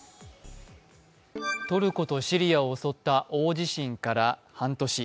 トルコとシリアを襲った大地震から半年。